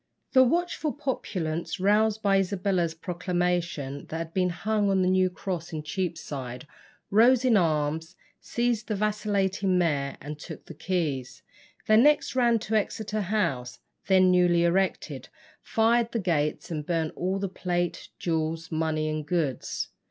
The watchful populace, roused by Isabella's proclamation that had been hung on the new cross in Cheapside, rose in arms, seized the vacillating mayor, and took the keys. They next ran to Exeter House, then newly erected, fired the gates, and burnt all the plate, jewels, money, and goods.